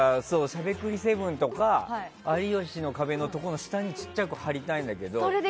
「しゃべくり００７」とか「有吉の壁」の下にちっちゃく貼りたいんだけど。